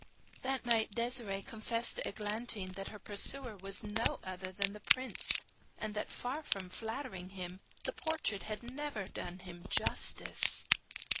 That night Desiree confessed to Eglantine that her pursuer was no other than the prince, and that far from flattering him, the portrait had never done him justice.